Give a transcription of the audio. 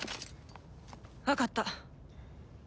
わかった。